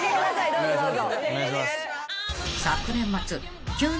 どうぞどうぞ。